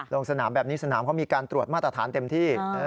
ลงสนามแบบนี้สนามเขามีการตรวจมาตรฐานเต็มที่